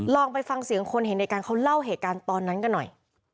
ลองไปฟังเสียงคนเห็นในการเขาเล่าเหตุการณ์ตอนนั้นกันหน่อย